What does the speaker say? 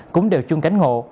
cũng đều chung cánh ngộ